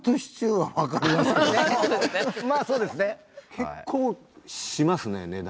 結構しますね値段。